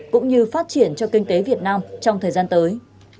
cũng như phát triển cho kinh tế việt nam trong thời gian tới